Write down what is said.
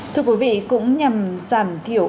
thưa quý vị cũng nhằm giảm thiểu